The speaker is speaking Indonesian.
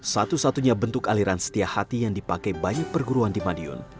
satu satunya bentuk aliran setia hati yang dipakai banyak perguruan di madiun